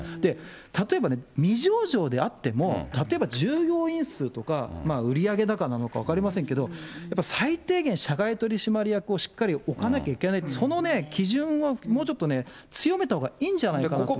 例えば未上場であっても、例えば、従業員数とか、売り上げ高なのか分かりませんけど、やっぱ最低限、社外取締役をしっかり置かなきゃいけない、その基準をもうちょっとね、強めたほうがいいんじゃないかなと思いますね。